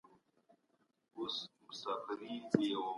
افراطي موقفونه تل تر اعتدال بدې پایلې لري.